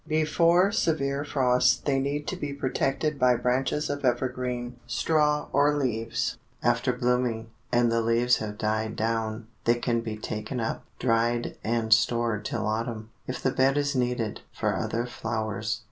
Before severe frost they need to be protected by branches of evergreen, straw or leaves. After blooming, and the leaves have died down, they can be taken up, dried and stored till autumn, if the bed is needed for other flowers.